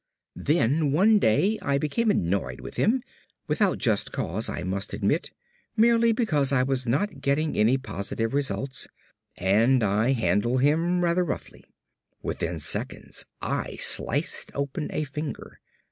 "Then one day I became annoyed with him; without just cause I must admit, merely because I was not getting any positive results; and I handled him rather roughly. Within seconds I sliced open a finger.